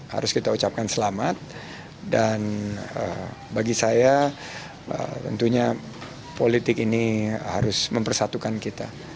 harus kita ucapkan selamat dan bagi saya tentunya politik ini harus mempersatukan kita